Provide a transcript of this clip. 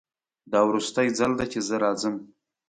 دا وروستی ځل ده چې زه راځم